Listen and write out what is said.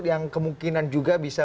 yang kemungkinan juga bisa